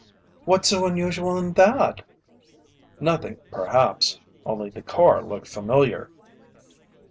"What's so unusual in that?" "Nothing perhaps. Only the car looked familiar."